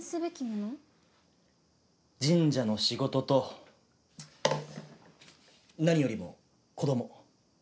神社の仕事と何よりも子供。